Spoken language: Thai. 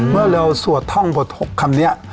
เมื่อเราสวดท่องบท๖คำนี้